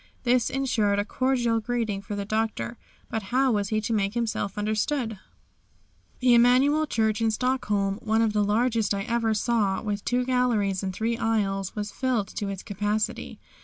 This insured a cordial greeting for the Doctor, but how was he to make himself understood? The Immanuel Church in Stockholm, one of the largest I ever saw, with two galleries and three aisles, was filled to its capacity.